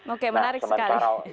oke menarik sekali